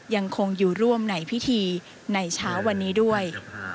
ยังคงอยู่ร่วมในพิธีในเช้าวันนี้ด้วย